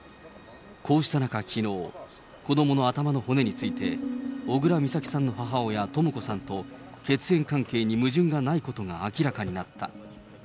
こうした中きのう、子どもの頭の骨について、小倉美咲さんの母親、とも子さんと血縁関係に矛盾がないことが明らかになった。